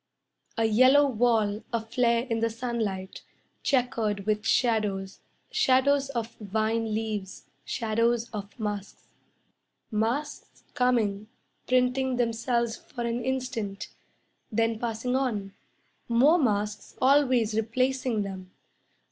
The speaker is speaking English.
A yellow wall Aflare in the sunlight, Chequered with shadows, Shadows of vine leaves, Shadows of masks. Masks coming, printing themselves for an instant, Then passing on, More masks always replacing them.